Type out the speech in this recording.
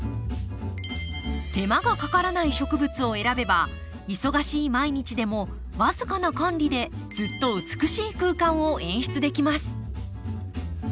手間がかからない植物を選べば忙しい毎日でも僅かな管理でずっと美しい空間を演出できます。